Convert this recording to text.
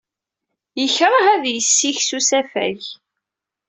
Yekṛeh ad yessike s usafag.